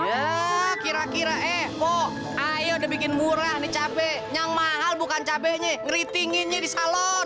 ya kira kira eh kok ayo udah bikin murah nih capek yang mahal bukan cabainya ngeritinginnya di salon